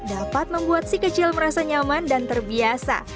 dapat membuat si kecil merasa nyaman dan terbiasa